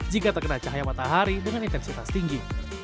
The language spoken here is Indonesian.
jika terkena cahaya matahari dengan intensitas tinggi